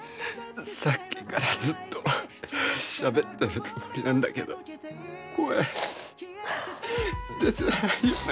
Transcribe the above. さっきからずっとしゃべってたつもりなんだけど声、出てないよね。